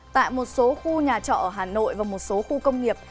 tại một số khu nhà trọ ở hà nội và một số khu công nghiệp